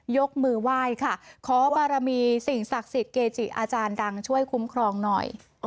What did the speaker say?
ยกมือไหว้ค่ะขอบารมีสิ่งศักดิ์สิทธิ์เกจิอาจารย์ดังช่วยคุ้มครองหน่อย